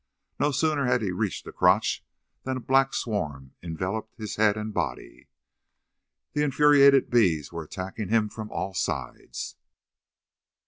No sooner had he reached the crotch than a black swarm enveloped his head and body. The infuriated bees were attacking him from all sides.